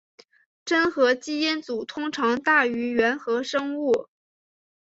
真核基因组通常大于原核生物。